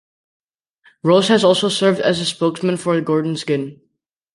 Rose has also served as a spokesman for Gordon's Gin.